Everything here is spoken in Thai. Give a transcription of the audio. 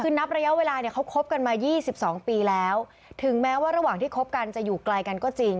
คือนับระยะเวลาเนี่ยเขาคบกันมา๒๒ปีแล้วถึงแม้ว่าระหว่างที่คบกันจะอยู่ไกลกันก็จริง